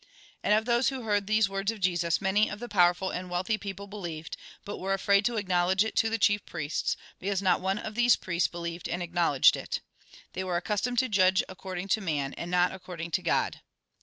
And of those who heard these words of Jesus, many of the powerful and wealthy people believed, but were afraid to acknowledge it to the chief priests, because not one of these priests believed and acknowledged it. They were accustomed to judge according to man, and not according to God.